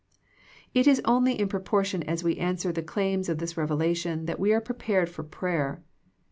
It is only in proportion as we answer the claims of this revelation that we are prepared for prayer.